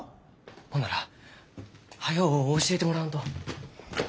ほんなら早う教えてもらわんと。